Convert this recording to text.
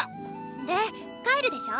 で帰るでしょ？